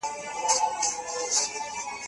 د برس سرونه مه پوښئ.